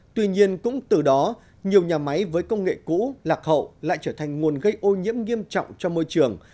tuy nhiên cũng từ đó nhiều nhà máy với công nghệ cũ lạc hậu lại trở thành nguồn gây ô nhiễm nghiêm trọng cho môi trường